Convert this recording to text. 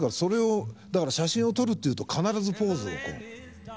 ですから写真を撮るっていうと必ずポーズをこう。